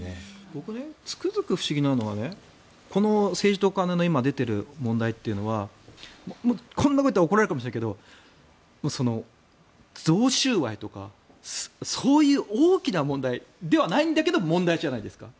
僕、つくづく不思議なのは政治と金の今、出ている問題はこんなことを言ったら怒られるかもしれないけど贈収賄とか、そういう大きな問題ではないんだけど問題じゃないですか。